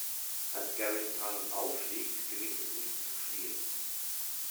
Als Garys Tarnung auffliegt, gelingt es ihm, zu fliehen.